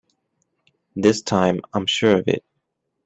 This time I'm sure of it!